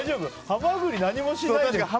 ハマグリ何もしないで。